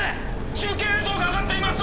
中継映像が上がっています。